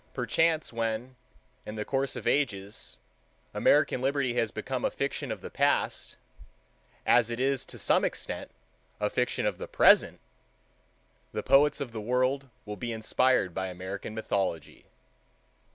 Perchance, when, in the course of ages, American liberty has become a fiction of the past,—as it is to some extent a fiction of the present,—the poets of the world will be inspired by American mythology.